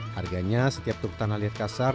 harganya setiap truk tanah liat kasar